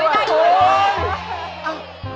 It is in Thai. ไม่ได้อยู่